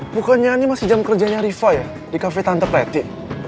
bukannya ini masih jam kerjanya riva ya di cafe tante